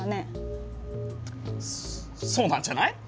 そそうなんじゃない？